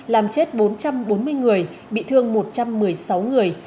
làm chết bốn trăm bốn mươi người bị thương một trăm một mươi sáu người